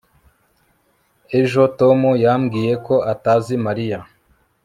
ejo, tom yambwiye ko atazi mariya